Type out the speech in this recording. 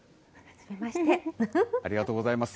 ありがとうございます。